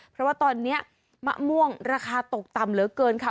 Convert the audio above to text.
เพราะว่าตอนนี้มะม่วงราคาตกต่ำเหลือเกินค่ะ